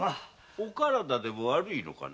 お体でも悪いのかな？